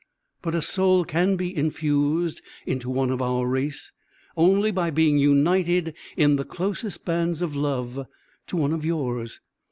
But a soul can be infused into one of our race, only by being united in the closest bands of love to one of yours.